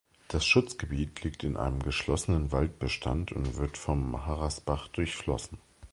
Das Schutzgebiet liegt in einem geschlossenen Waldbestand und wird vom Harrasbach durchflossen.